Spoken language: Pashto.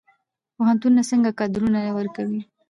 پوهنتونونه څنګه کادرونه ورکوي؟